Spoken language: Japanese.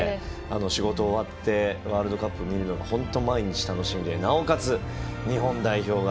仕事が終わってワールドカップ見るのが本当に毎日楽しみでなおかつ、日本代表が